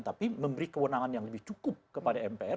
tapi memberi kewenangan yang lebih cukup kepada mpr